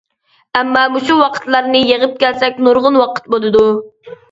ئەمما مۇشۇ ۋاقىتلارنى يىغىپ كەلسەك نۇرغۇن ۋاقىت بولىدۇ.